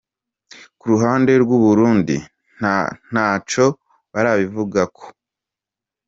Ku ruhande rw'Uburundi nta co barabivugako.